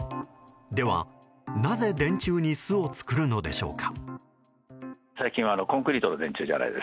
ではなぜ、電柱に巣を作るのでしょうか。